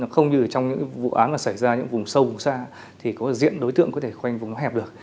không như trong những vụ án mà xảy ra những vùng sâu vùng xa thì có diện đối tượng có thể khoanh vùng nó hẹp được